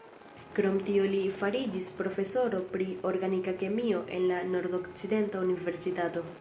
Krom tio li fariĝis profesoro pri organika kemio en la Nordokcidenta Universitato.